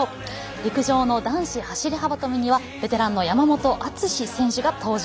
陸上の男子走り幅跳びにはベテランの山本篤選手が登場。